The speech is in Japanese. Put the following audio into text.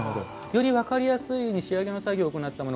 より分かりやすいように仕上げの作業を行ったもの